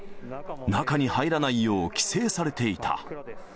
中に入らないよう、規制されていた。